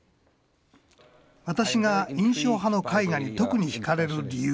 私が印象派の絵画に特にひかれる理由